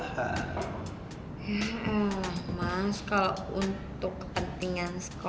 oh bener juga